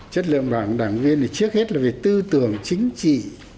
chất lượng đảng viên thì trước hết là về tư tưởng chính trị